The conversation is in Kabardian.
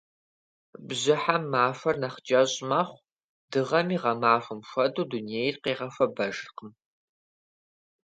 Бжьыхьэм махуэхэр нэхъ кӀэщӀ мэхъу, дыгъэми, гъэмахуэм хуэдэу, дунейр къигъэхуэбэжыркъым.